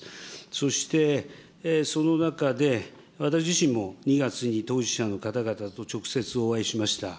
そしてその中で私自身も２月に当事者の方々と直接お会いしました。